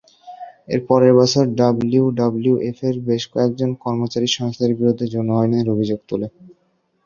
এর পরের বছর ডাব্লিউডাব্লিউএফ-এর বেশ কয়েকজন কর্মচারী সংস্থাটির বিরুদ্ধে যৌন হয়রানির অভিযোগ তোলে।